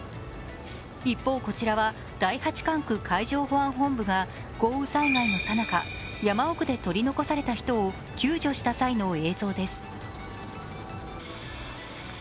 一方、こちらは第八管区海上保安本部が豪雨災害のさなか、山奥で取り残された人を救助した際の映像です。